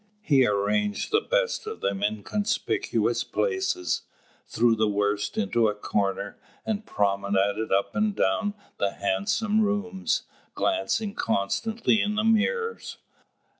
He arranged the best of them in conspicuous places, threw the worst into a corner, and promenaded up and down the handsome rooms, glancing constantly in the mirrors.